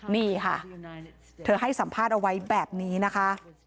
นี่ค่ะเธอให้สัมภาษณ์เอาไว้แบบนี้นะคะ